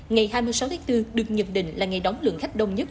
ngày hai mươi sáu tháng bốn được nhận định là ngày đóng lượng khách đông nhất